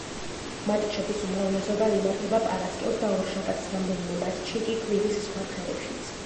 მატჩების უმრავლესობა იმართება პარასკევს და ორშაბათს, რამდენიმე მატჩი კი კვირის სხვა დღეებშიც.